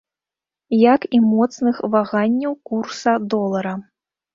Як і моцных ваганняў курса долара.